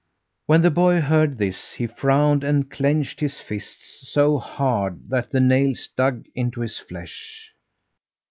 When the boy heard this he frowned and clenched his fists so hard that the nails dug into his flesh.